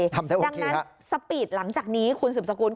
ดังนั้นสปีดหลังจากนี้คุณสืบสกุล